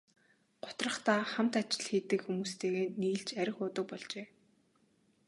Гутрахдаа хамт ажил хийдэг хүмүүстэйгээ нийлж архи уудаг болжээ.